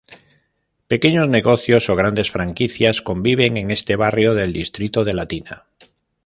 Pequeños negocios o grandes franquicias conviven en este barrio del distrito de Latina.